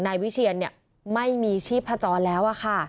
นายวิเชียนไม่มีชีพจรแล้ว